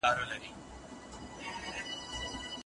نکاح بايد دائمي حرمت ونلري.